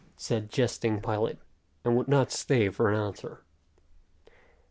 said jesting Pilate, and would not stay for an answer.